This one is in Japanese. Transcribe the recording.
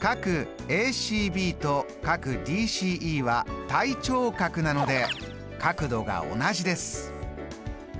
ＡＣＢとＤＣＥは対頂角なので角度が同じです。